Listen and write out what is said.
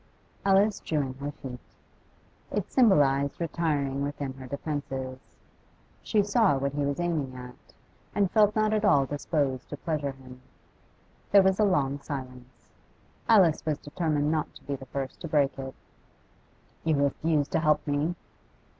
Alice drew in her feet. It symbolised retiring within her defences. She saw what he was aiming at, and felt not at all disposed to pleasure him. There was a long silence; Alice was determined not to be the first to break it. 'You refuse to help me?